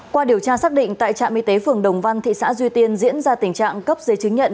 qua điều tra xác định tại trạm y tế phường đồng văn thị xã duy tiên diễn ra tình trạng cấp giấy chứng nhận